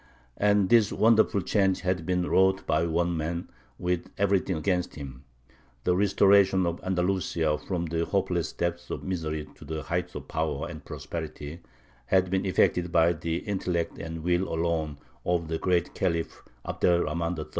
And this wonderful change had been wrought by one man, with everything against him: the restoration of Andalusia from the hopeless depths of misery to the height of power and prosperity had been effected by the intellect and will alone of the Great Khalif Abd er Rahmān III.